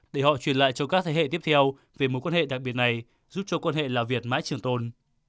để họ truyền lại cho các thế hệ tiếp theo về mối quan hệ đặc biệt này giúp cho quan hệ lào việt mãi trường tồn